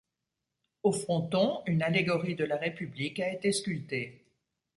Au fronton, une allégorie de la République a été sculptée.